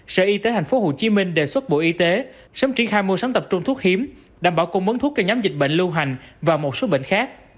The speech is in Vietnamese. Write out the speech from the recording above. sở y tế tp hcm đề xuất bộ y tế sớm triển khai mua sắm tập trung thuốc hiếm đảm bảo cung mấn thuốc cho nhóm dịch bệnh lưu hành và một số bệnh khác